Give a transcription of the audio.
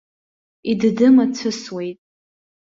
Идыды-мацәысуеит.